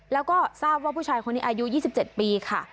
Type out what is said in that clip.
แล้วก็ทราบว่าผู้ชายคนนี้อายุยี่สิบเจ็ดปีค่ะ